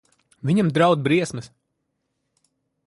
Viņam draud briesmas.